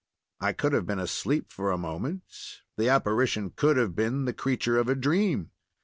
I could have been asleep for a moment; the apparition could have been the creature of a dream.